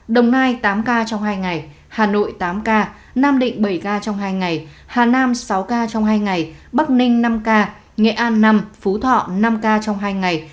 đồng nai tám ca trong hai ngày hà nội tám ca nam định bảy ca trong hai ngày hà nam sáu ca trong hai ngày bắc ninh năm ca nghệ an năm phú thọ năm ca trong hai ngày